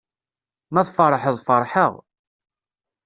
Ma tfeṛḥeḍ feṛḥeƔ.